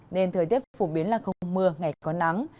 nên thời tiết phổ biến là không mưa ngày có nắng